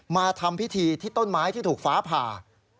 มาทำพิธีที่ต้นไม้ที่ถูกฟ้าผ่า